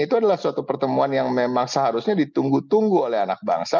itu adalah suatu pertemuan yang memang seharusnya ditunggu tunggu oleh anak bangsa